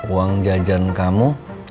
uang jajan kamu